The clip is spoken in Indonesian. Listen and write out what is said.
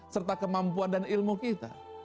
serta kemampuan dan ilmu kita